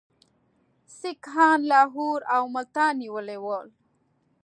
سیکهان لاهور او ملتان نیولي ول.